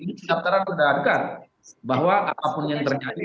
ini sedap terang mendahankan bahwa apapun yang terjadi